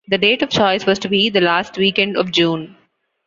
The date of choice was to be the last weekend of June.